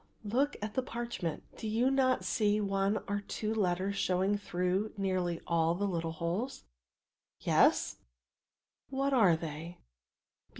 "Look at the parchment; do you not see one or two letters showing through nearly all the little holes?" "Yes." "What are they?"